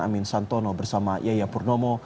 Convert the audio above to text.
amin santono bersama yaya purnomo